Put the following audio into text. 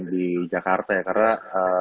di jakarta ya karena